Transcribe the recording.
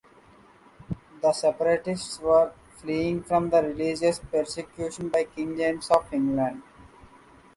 The Separatists were fleeing from religious persecution by King James of England.